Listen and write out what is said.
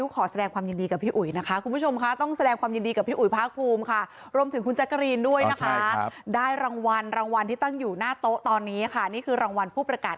ก็จะเป็นของอีกอ่าสมาคมหนึ่งใช่ค่ะแต่ขออนุญาต